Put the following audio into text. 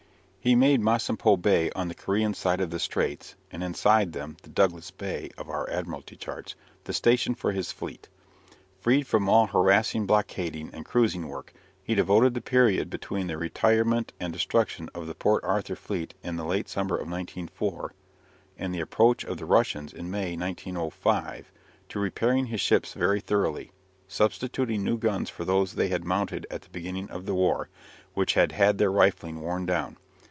He made Masampho Bay on the Korean side of the straits, and inside them (the "Douglas Bay" of our Admiralty Charts), the station for his fleet. Freed from all harassing blockading and cruising work, he devoted the period between the retirement and destruction of the Port Arthur fleet in the late summer of 1904, and the approach of the Russians in May, 1905, to repairing his ships very thoroughly, substituting new guns for those they had mounted at the beginning of the war, which had had their rifling worn down.